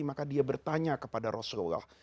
maka dia bertanya kepada rasulullah